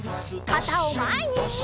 かたをまえに！